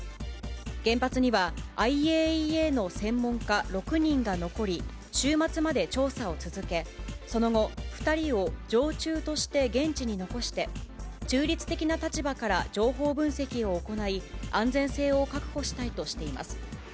原発には、ＩＡＥＡの専門家６人が残り、週末まで調査を続け、その後、２人を常駐として現地に残して、中立的な立場から情報分析を行い、安全性を確保したいとしています。